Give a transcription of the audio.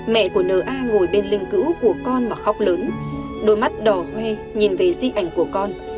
mẹ của nna ngồi bên linh cữu của con mà khóc lớn đôi mắt đỏ hoe nhìn về di ảnh của con